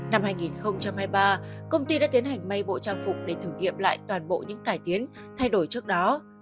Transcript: năm hai nghìn hai mươi ba công ty đã tiến hành may bộ trang phục để thử nghiệm lại toàn bộ những cải tiến thay đổi trước đó